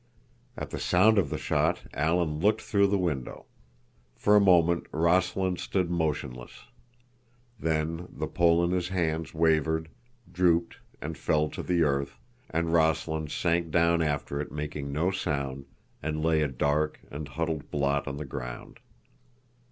At the sound of the shot Alan looked through the window. For a moment Rossland stood motionless. Then the pole in his hands wavered, drooped, and fell to the earth, and Rossland sank down after it making no sound, and lay a dark and huddled blot on the ground.